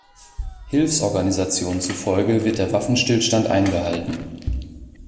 Hilfsorganisationen zufolge wird der Waffenstillstand eingehalten.